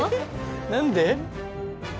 何で？